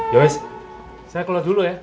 yoes saya keluar dulu ya